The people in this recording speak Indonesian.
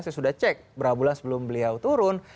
saya sudah cek berapa bulan sebelum beliau turun